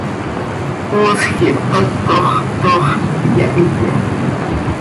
Poosj quih itatox, toox iyahiyat.